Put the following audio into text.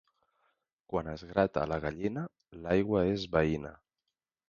Quan es grata la gallina, l'aigua és veïna.